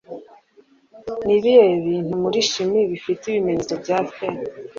Nibihe bintu muri shimi bifite ikimenyetso Fe?